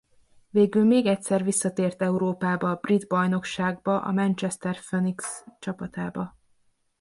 Végül még egyszer visszatért Európába a brit bajnokságba a Manchester Phoenix csapatába.